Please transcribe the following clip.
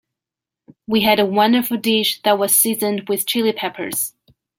We had a wonderful dish that was seasoned with Chili Peppers.